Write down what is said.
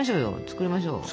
作りましょう。